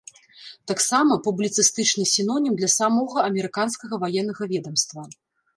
Таксама, публіцыстычны сінонім для самога амерыканскага ваеннага ведамства.